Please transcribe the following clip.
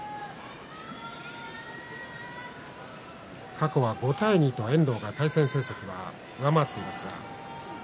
過去は５対２と遠藤が対戦成績、上回っています。